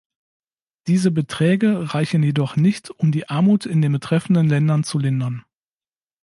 Diese Beträge reichen jedoch nicht, um die Armut in den betreffenden Ländern zu lindern.